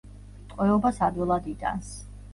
ტყვეობას ადვილად იტანს.